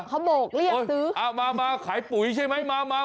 เขาโบกเรียกซื้อมาขายปุ๋ยใช่ไหมมา